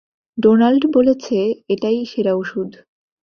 Donald বলেছে, এটাই সেরা ওষুধ।